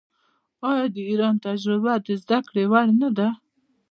آیا د ایران تجربه د زده کړې وړ نه ده؟